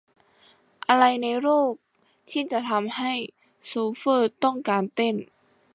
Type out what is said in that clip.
อะไรในโลกที่จะทำให้โชเฟอร์ต้องการเต้น ?